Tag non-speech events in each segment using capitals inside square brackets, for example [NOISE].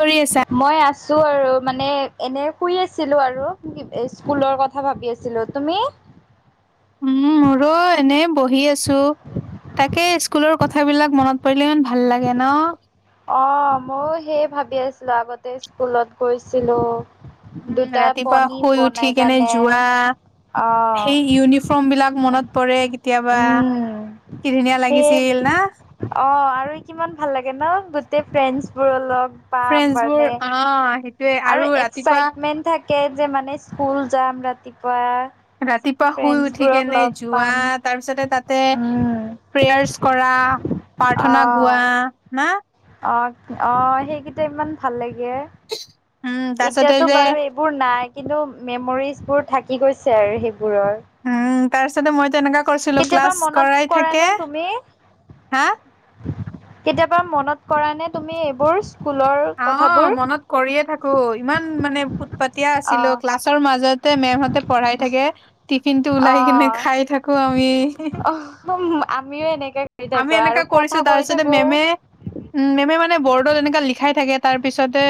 কৰি আছা। মই আছো আৰু মানে এনে শুই আছিলোঁ আৰু স্কুলৰ কথা ভাবি আছিলোঁ তুমি? [INAUDIBLE] উম মোৰো এনে বহি আছোঁ। তাকে স্কুলৰ কথাবিলাক মনত পৰিলে ইমান ভাল লাগে ন'? অ' ময়ো সেয়ে ভাবি আছিলোঁ, আগতে স্কুলত গৈছিলো উম, দুটা ৰাতিপুৱা পনি শুই উঠি বনাই কেনে কানে। যোৱা সেই ইউনিফ্ৰম বিলাক মনত পৰে কেতিয়াবা। উম কি ধুনীয়া সেই লাগিছিল না? অ' আৰু কিমান ভাল‌ লাগে ন'? গোটেই ফ্ৰেণ্ডছ বোৰ লগ পাম ফ্ৰেণ্ডচ বোৰ মানে। অ' সেইটোয়ে আৰু ৰাতিপুৱা এক্সাইটমেন্ট থাকে যে মানে স্কুল যাম ৰাতিপুৱা। ৰাতিপুৱা শুই ফ্ৰেণ্ডছ উঠি বোৰক কেনে লগ যোৱা পাম তাৰ পিছতে তাতে প্ৰেয়াৰ্চ কৰা, উম অ প্ৰাৰ্থনা গোৱা। না? অ' অ সেইকেইটা ইমান ভাল লাগে। য়ে, উম, তাৰপিছতে এতিয়াতো যে বাৰু এইবোৰ নাই। কিন্তু মেমৰিজবোৰ থাকি গৈছে আৰু সেইবোৰৰ। তাৰ পিছতে মইতো এনেকা কৰিছিলো কেতিয়াবা ক্লাছ মনত কৰাই কৰা থাকে, নে তুমি? হা? কেতিয়াবা মনত কৰা নে তুমি এইবোৰ? স্কুলৰ অ কথাবোৰ? মনত কৰিয়ে থাকো ইমান মানে উৎ পাতিয়া আছিলো, অ', ক্লাছৰ মাজত তে মেম হতে পঢ়াই থাকে, টিফিন টো ওলাই কেনে অ', খাই থাকো আমি। উম আমিও এনেক আমি এনেকা কৰিছো তাৰপিছতে মেমে উ মেমে মানে বৰ্ডত এনেকা লিখাই থাকে। তাৰ পিছতে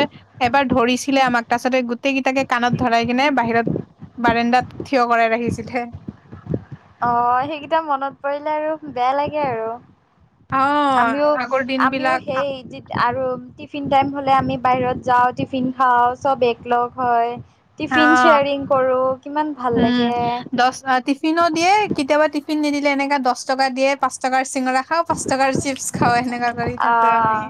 এবাৰ ধৰিছিলে আমাক। তাছতে গোটেই কেইটাকে কাণত ধৰাই কিনে বাহিৰত বাৰেণ্ডাত থিয় কৰাই ৰাখিছিলে। অ' সেইকেইটা মনত পৰিলে আৰু বেয়া লাগে আৰু। অ', আমিও আগৰ দিন আমিও বিলাক সেই যি আৰু‌ টি টিফিন টাইম হ'লে আমি বাহিৰত যাওঁ, টিফিন খাওঁ চব একলগ হয়। টিফিন অ' শ্বেয়াৰিং কৰোঁ কিমান ভাল উম, লাগে দচ টিফিনো দিয়ে কেতিয়াবা টিফিন নিদিলে এনেকা দছ টকা দিয়ে পাঁচ টকা চিঙৰা খাওঁ, পাচঁ টকাৰ চিপছ খাওঁ। সেনেকা কৰি থাকো আহ, আমি।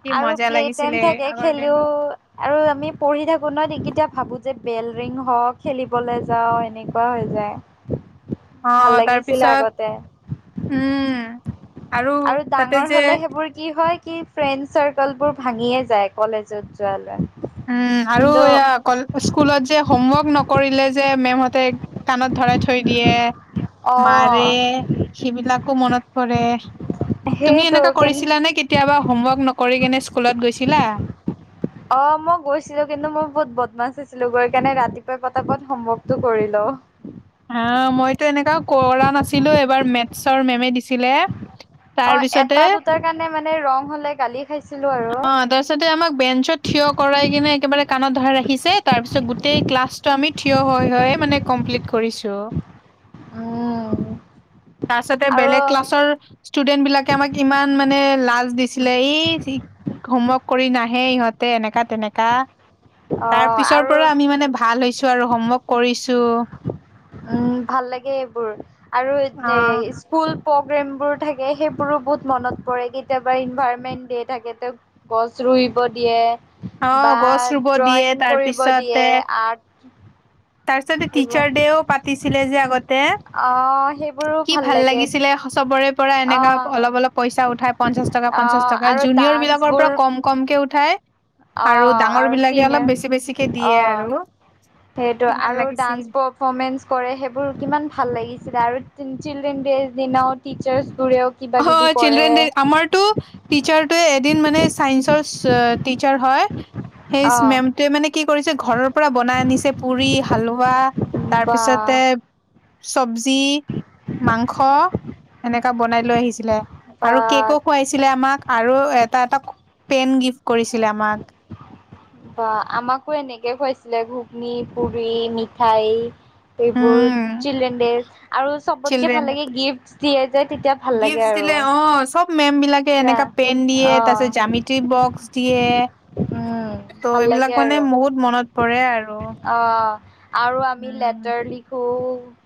কি আৰু মজা প্লে লাগিছিলে টাইম থাকে, আগৰ খেলিও দিনবোৰ। আৰু আমি পঢ়ি থাকো ন কেতিয়া ভাবো যে বেল ৰিং হওক, খেলিবলৈ যাওঁ। এনেকুৱা হৈ যায়। অ', ভাল লাগিছিলে তাৰপিছত আগতে। উম, আৰু তাতে ডাঙৰ যে হলে সেইবোৰ কি হয় কি ফ্ৰেণ্ড চাৰৰ্কল বোৰ ভাঙিয়ে যায় কলেজত যোৱা লোৱা। উম, আৰু এয়া কল -স্কুলত যে হোমৱৰ্ক নকৰিলে যে মেমহঁতে কাণত ধৰাই থৈ দিয়ে অ মাৰে সেইবিলাকো মনত পৰে। তুমি সেইটো এনেকুৱা কেনে কৰিছিলানে কেতিয়াবা হোমৱৰ্ক নকৰি কেনে স্কুলত গৈছিলা? অহ, মই গৈছিলো কিন্তু মই বহুত বদমাছ হৈছিলো গৈ কেনে ৰাতিপুৱাই পতাপত সমৱৰ্কটো কৰিলও। অহ হা মইতো এনেকা কৰা নাছিলো এবাৰ মেতছৰ মেমে দিছিলে অ' তাৰপিছতে এটা [INAUDIBLE] দুটাৰ কাৰণে মানে ৰং হলে গালি খাইছিলো আৰু। অহ তাৰপিছতে আমাক বেঞ্চত থিয় কৰাই কিনে একেবাৰে কাণত ধৰাই ৰাখিছে তাৰ পিছত গোটেই ক্লাছটো আমি থিয় হয় -হয় মানে কমপ্লিট কৰিছো। উম তাৰছতে আৰু বেলেগ ক্লাছৰ ষ্টুডেন বিলাকে আমাক ইমান মানে লাজ দিছিলে ই হোমৱৰ্ক কৰি নাহে ইহঁতে এনেকা- তেনেকা তাৰ অ' পিছৰ আৰু পৰা আমি মানে ভাল হৈছো আৰু হোমৱৰ্ক কৰিছো। উম, ভাল লাগে এইবোৰ আৰু অ এত এ স্কুল প্ৰগ্ৰেমবোৰ থাকে সেইবোৰো বহুত মনত পৰে কেতিয়াবা ইনভাইৰমেন্ট ডে থাকে ত গছ ৰুইব অ দিয়ে বা গছ ৰুব দিয়ে ড্ৰয়িং তাৰ কৰিব দিয়ে আৰ্ট [INAUDIBLE] তাৰপিছতে টিচাৰ ডেও পাতিছিলে যে আগত অহ কি ভাল লাগিছিলে চবৰে পৰা এনেকা অ' অলপ- অলপ পইচা উঠাই পঞ্চাশ টকা- পঞ্চাশ অ' টকা আৰু যুত নিয়ৰ বিলাকৰ পৰা কম- কমকে উঠাই অহ, ডাঙৰ আৰু বিলাকে চিনে অলপ বেছি বেছিকে দিয়ে অহ। আৰু সেইটো কি ভাল আৰু লাগিছিল ডান্স পৰফমেন্ঞ্চ কৰে সেইবোৰ কিমান ভাল লাগিছ চিলে আৰু তিন চিল্ড্ৰেন ডেৰ দিনাও টিচাৰছ হ চিল্ড্ৰেন দে আমাৰটো টিচাৰটোৱে এদিন মানে চাইন্সৰ চ টিচাৰ হয় সেইচ অ' মেমটোৱে মানে কি কৰিছে ঘৰৰ পৰা বনাই আনিছে পুৰি হালোৱা তাৰপিছত অহ চবজি, মাংস এনেকা বনাই লৈ আহিছিলে বা আৰু কেকো খোৱাইছিলে আমাক আৰু এটা- এটা পেন গিফ্ট কৰিছিলে আমাক। বা আমাকো এনেকে খুৱাইছিলে ঘুগনি, পুৰি, মিঠাই এইবোৰ উম, চিলড্ৰেন ডে আৰু চবতকে ভাল লাগে গিফ্টচ দিয়ে। যে তেতিয়া ভাল লাগে গিভচ আৰু দিলে অ চব মেম বিলাক হে এনেকা পেন দিয়ে তাৰ পিছত জামিতি বক্স দিয়ে উম ত' ভাল এইবিলাক লাগে আৰু মানে অহ বহুত মনত পৰে আৰু। আৰু আমি উম। লেটাৰ লিখো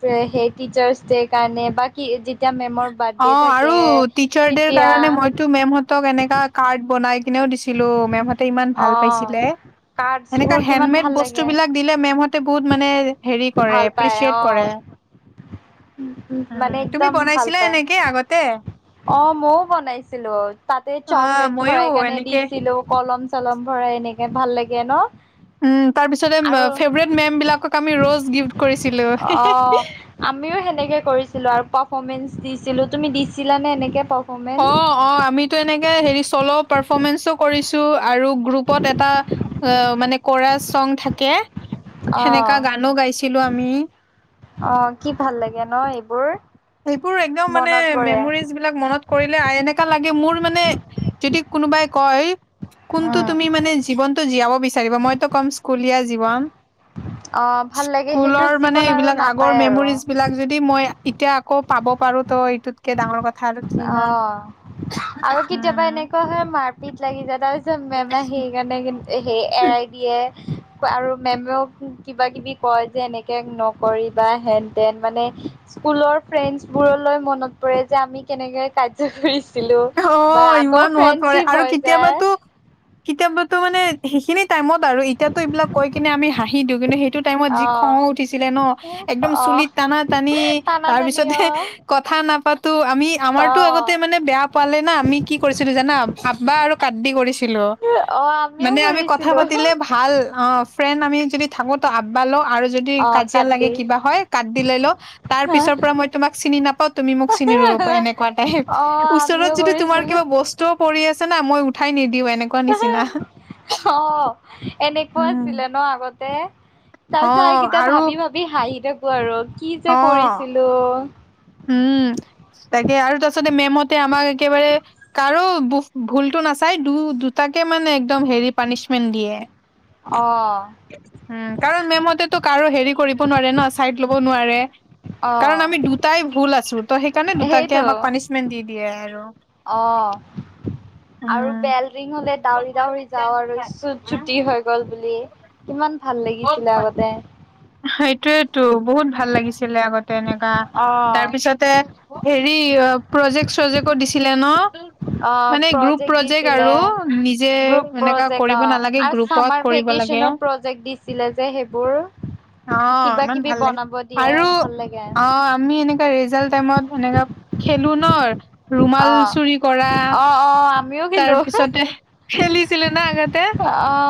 ৱে সেই টিচাৰ্চ ডে কাৰণে বাকি যি অ আৰু টিচাৰ দেৰ তেতিয়া কাৰণে মইতো মেমহঁতক এনেকা কাৰ্ড বনাই কিনেও দিছিলো মেমহতে ইমান ভাল অ', পাইছিলে এনেকা কাৰ্ডছবোৰ কিমান হেডমেড ভাল বস্তু লাগে বিলাক দিলে মেমহতে বহুত মানে হেৰি কৰে ভাল পায় এপ্ৰিচিয়েট কৰে অ', উম মানে তুমি একদম বনাইছা ভাল ছিলে পায়। এনেকে আগতে অ মও বনাইছিলো তাতে অ', চকলেট মইয়ো ভৰাই কাৰনে এনেকে দিছিলো কল কলম চালম ভৰাই এনেকে ভাল লাগে ন উম তাৰ পিছতে অ আৰু ফেভৰেট মেম বিলাকক আমি ৰ'জ গিফ্ট কৰিছিলো হেহু অ', আমিও সেনেকে কৰিছিলো আৰু পাৰফৰ্মেঞ্চ দিছিলো তুমি দিছিলা নে সেনেকে পৰফ অহ অহ আমিতো এনেকে হেৰি চ'ল' পৰফমেঞ্চেও কৰিছো আৰু গ্ৰুপত এটা অ'- মানে কোৰাছ ছং থাকে। অ'। সেনেকা গানো গাইছিলোঁ আমি। অ কি ভাল লাগে ন এইবোৰ সেইবোৰ একদম মানে মনত পৰে। মেমৰিজ বিলাক মনত কৰিলে আই এনেকা লাগে মোৰ মানে যদি কোনোবাই কই কোনটো উম, তুমি মানে জীৱনটো জীয়াবো বিচাৰিবা? মই টো কম স্কুলীয়া জীৱন হয় স্কুলৰ মানে এইবিলাক আগৰ নাপায় আৰু মেমৰিজবিলাক যদি মই এতিয়া আকৌ পাব পাৰোঁ তো অ' আৰু কেতিয়াবা উম। এনেকুৱা হয়, মাৰ তিত লাগি যায়। তাৰ পিছত মেম আহি সেইকাৰণে কিন্ত সেই এৰাই দিয়ে। আৰু মেমেও কিবা-কিবি কয় যে, এনেকে নকৰিবা হেন-তেন মানে স্কুলৰ ফ্ৰেন্দছবোৰলৈ মনত পৰে যে, আমি কেনেকে কাজিয়া কৰিছি অ' ইমান মনত পৰে। আৰু হৈ যায় কেতিয়াবাতো কেতিয়াবা টো মানে সেইখিনি টাইমত আৰু। এতিয়াতো এইবিলাক কৈ কিনে আমি হাঁহি দিওঁ। কিন্তু সেই টো টাইমত যি খঙ অ'। উঠিছিলে ন'? একদম অ' চুলিত টানা-টানি, টানা টানি তাৰপিছতহে অ' কথা থা নাপাতো আমি আমাৰতো অ'। আগতে মানে বেয়া পালে জানা, আমি কি কৰিছিলোঁ জানা? আব্বা আৰু কাটি কৰিছি চিলো, অ আমিও মানে আমি কথা কৰিছিলো পাতিলে ভাল ফ্ৰেয়েণ্ড আমি যদি থাকোঁ তো আব্বা ল আৰু যদি অ কাজিয়া লাগে, কাটি কিবা হয়, কাট দিলে ল' তাৰ পিছৰ পৰা মই তোমাক চিনি নাপাওঁ, তুমি মোক চি নে দুৰৰপৰা এনেকুৱা টাইপ। অ ওচৰত আমিও যদি তোমাৰ কৰিছিলো কিবা বস্তুও পৰি আছে না, মই উঠাই নিদি তেনেকুৱা নিচিনা। অ এনেকুৱা উম, আছিলে ন আগতে। তাৰপিছত অ', এইকেইটা আৰু ভাবি - ভাবি হাঁহি থাকোঁ আৰু। কি যে অ', কৰিছিলোঁ। উম, তাকে আৰু। তাৰছতে মেমহঁতে আমাক একেবাৰে কাৰো ভুলতটো নাচাই দু দুটাকে মানে একদম হেৰি পানিচমেণ্ট দিয়ে অ উম, কাৰণ মেমহঁতে তো কাৰো হেৰি কৰিব নোৱাৰে ন'? ছাইড লব নোৱাৰে। অ কাৰণ আমি দু তাই ভুল আছোঁ। তো সেইকাৰণে দুটাকে সেইটো আমাক পানিছমেন্ট দি দিয়ে আৰু। অ আৰু উম। বেল ৰিং হলে দউৰি দাউৰি যাওঁ আৰু চ ছুটি হৈ গল বুলি কিমান ভাল লাগিছিলে আগতে [INAUDIBLE] সটোয়েতো বহুত ভাল লাগিছিলে আগতে এনেকা অ তাৰপিছতে হ ৰী অ' প্ৰজেক-চজেকো দিছিলে ন'? অ মানে গ্ৰুপ প্ৰজেক্ট প্ৰজেক দিছিলে আৰু। নিজে গ্ৰুপ এনেকা প্ৰজেক্ট কৰিব অ', নালাগে। আৰু গ্ৰুপত চামাৰ কৰিব লাগে। ভেকেচনো প্ৰজেক্ট দিছিলে যে সেইবোৰ। অ কিবা ইমান কিবি ভাল লাগে বনাব দিয়ে আৰু ভাল লাগে অ আমি এনেকা ৰেজাল টাইমত এনেকা খেলো ন'? ৰুমাল চুৰি কৰা অ', অ', আমিও তাৰ খেলো। অ', পিছতে খেলিছিলোঁ না আগতে?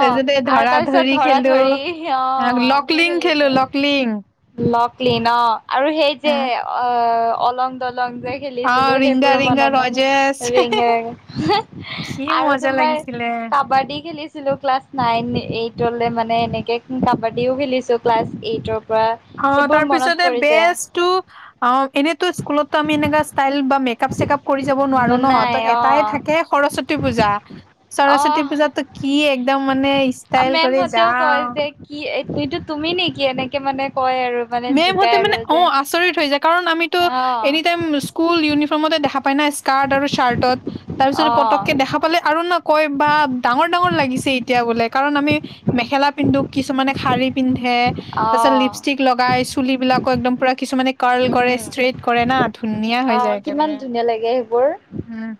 তাৰপিছতে আৰু তাৰপিছত ধৰা-ধৰি ধৰা খেলোঁ ধৰি অ', লকলিং খেলোঁ, লকলিং। লকলি ন আৰু সেই যে অ অলং দলং যে খেলিছিলো অ' সেই ৰিংগা মোৰো ৰিংগা মনত নাই। ৰজেছ ৰিঙা - কি ৰিঙা। আৰু মজা তোমাৰ লাগিছিলে। কাবাডী খেলিছিলোঁ ক্লাছ নাইন - এইট মানে এনেকে কাবাডীও খেলিছো ক্লাছ এইটৰ পৰা অ সেইবোৰ মনত তাৰপিছতে পৰি যায় বেজ টো অ এনেতো স্কুলতো আমি এনে ষ্টাইল কাপ-চেকাপ কৰি যাব নোৱাৰোঁ ন'? নাই তো অ এটাই থাকে সৰস্বতী পূজা। অ সৰস্বতী পূজাটো কি একদম মানে ষ্টাইল কৰি যা মেমহঁতেও কয় যে কি এইটো তুমি নেকি এনেকে মানে কয় আৰু মানে জোকাই মেমহঁতে মানে আৰু যে অ' আচৰিত হৈ যায়, কাৰণ আমিতো আহ এনি টাইম স্কুল ইউনিফ্ৰমতে দেখা পাই না? স্কাৰ্ট আৰু শ্বাৰ্টত। তাৰ পিছত অ পতককে দেখা পালে। আৰু ন' কয়, বা ডাঙৰ - ডাঙৰ লাগিছে এতিয়া বোলে। কাৰণ আমি মেখেলা পিন্ধোঁ, কিছুমানে শাৰী পিন্ধ হে অ তাৰপিছত লিপষ্টিক লগাই চুলিবিলাকো একদম পোৰা কিছুমানে ক্ল কৰে উম ষ্ট্ৰেইট কৰে না ধুনীয়া হৈ যায় একেবাৰে ভাল লাগে সেইবোৰ উম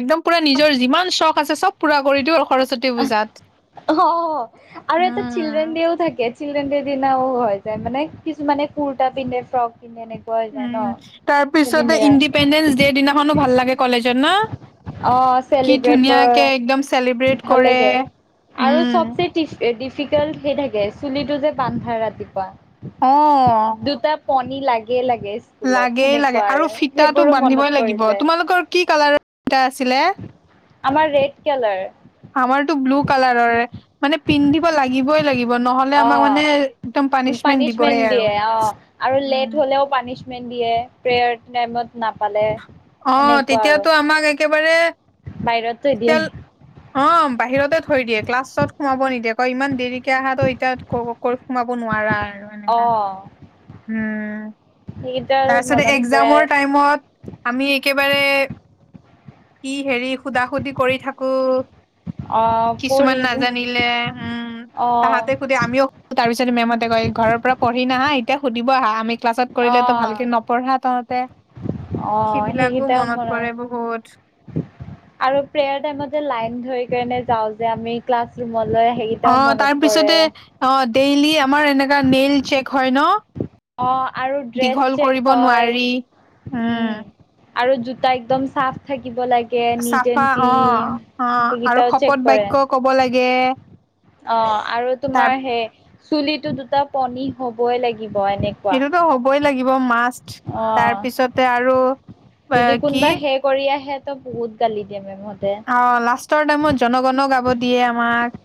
একদম পোৰা নিজৰ যিমান চখ আছে চব পোৰা কৰি দিওঁ সৰস্বতী পূজাত অহ আহ এটা চিল্ড্ৰেন উম ডেও থাকে চিল্ড্ৰেন দেৰ দিনাও হৈ যায় মানে কিছুমানে কুৰ্তা পিন্ধে ফ্ৰক পিন্ধে এনেকুৱা হৈ যায় ন উম তাৰ পিন্ধে পিছতে ইণ্ডিপেণ্ডেন্স দে দিনাখনো ভাল লাগে কলেজত না অ চেলিব্ৰেট কৰে চেলিব্ৰেট ভাল কৰে। লাগে আৰু উম, চবচে টি ডিফিকাল্ট সেই থাকে চুলিটো যে বান্ধা ৰাতিপুৱা অহ ফণী লাগে লাগে স্কুলত লাগেই লাগে সেনেকুৱা আৰু ফিতটো সেইবোৰো মনত বান্ধিবই পৰি লাগিব যায় তোমালোকৰ কি কালাৰৰ ফিতা আছিলে আমাৰ ৰেড কালাৰ আমাৰতো ব্লু কালাৰৰ মানে পিন্ধিব লাগিবই লাগিব ব নহলে অ', আমাকমানে‌ পানিচমেন পানিচমেন্ট দিবই দিয়ে আৰু অ', আৰু লেট উম হ'লেও পানিচমেন্ট দিয়ে প্ৰেয়াৰ টাইমত নাপালে অ তেতিয়াতো আমাক একেবাৰে বাহিৰত থই তেতিয়া দিয়ে অ বাহিৰতে থৈ দিয়ে ক্লাছত সোমাব নিদিয়ে ক ইমান দেৰিকে আহা এতিয়া সোমাব নোৱাৰা আৰু এনেকা। অহ উম তাৰপিছতে মনত পৰে একজাম আৰু টাইমত আমি একেবাৰে কি হেৰি সুধা সুধি কৰি থাকো অ কিছুমান পঢ়ি নাজানিলে উম অ তাহাঁতে সুধে আমিও তাৰপিছত মেমতে কয় ঘৰৰ পৰা পঢ়ি নাহা এতিয়া সুধিব আহা আমি ক্লাছত অ কৰিলে ভালকে নপঢ়া তহঁতে অ সেইবিলাকো মনত সেইকেইটাপৰা পৰে বহুত আৰু প্ৰেয়াৰম টাইমত লাইন ধৰি যাওঁ যে আমি ক্লাছ ৰুমলৈ সেইকেইটাও অহ মনত পৰে তাৰপিছতে অ ডেইলি আমাৰ এনেকা নেইল চেক হয় ন অ আৰু ড্ৰেছ দীঘল চেক কৰিব হয় নোৱাৰি উম আৰু জোতা একদম চাফ থাকিব লাগিব কে নিট এণ চাফা অ কিন অ আৰু এইকেইটাও শপত চেক কৰে বাক্য কব লাগে অহ আৰু তাৰ তোমাৰ সেই চুলিতো দুটা ফনী হবই লাগিব এনেকুৱা সেইটোতো হ'বই লাগিব মাষ্ট, অ তাৰপিছতে আৰু যদি কি কোনোবা হে কৰি আহে ত' বহুত গালি দিয়া মে অ', লাষ্টৰ টাইমত জনগণ গাব দিয়ে আমাক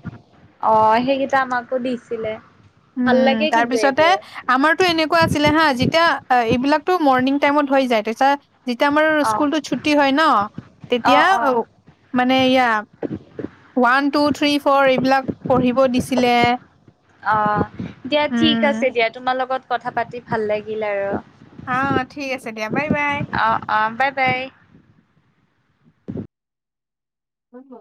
অ', সেইকেইটা আমাকো দিছিলে। ভাল উম, লাগে কিন্তু তাৰপিছতে, এইবোৰ। আমাৰতো এনেকুৱা আছিলে হা যেতিয়া আ এইবিলাকতো মৰ্ণিং টাইমত হৈ যায়, তাৰপিছত যেতিয়া আমাৰ অ স্কুলতো ছুটি হয় ন, অ তেতিয়া অ মানে ইয়া ওৱান, টু, থ্ৰী, ফ'ৰ এইবিলাক পঢ়িব দিছিলে। অ', দিয়া ঠিক উম আছে দিয়া তোমাৰ লগত কথা পাতি ভাল লাগিল আৰু। অ', ঠিক আছে দিয়া বাই বাই। অ অ বাই বাই। হব।